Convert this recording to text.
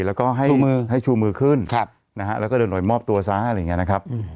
แล้วก็ให้ชูมือขึ้นนะฮะแล้วก็เดินออกไปมอบตัวซะอะไรอย่างนี้นะครับ